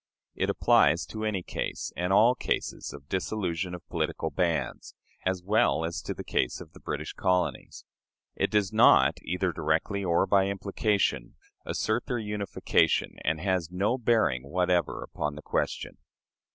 It applies to any case, and all cases, of dissolution of political bands, as well as to the case of the British colonies. It does not, either directly or by implication, assert their unification, and has no bearing whatever upon the question.